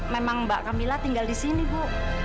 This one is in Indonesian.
memang mbak camilla tinggal di sini bu